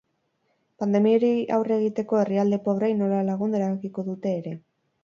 Pandemiari aurre egiteko herrialde pobreei nola lagundu erabakiko dute ere.